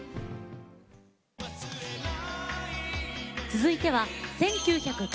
続いては１９９０年。